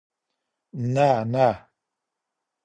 نه ، نه